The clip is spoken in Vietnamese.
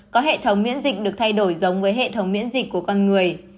có hệ thống miễn dịch được thay đổi giống với hệ thống miễn dịch của con người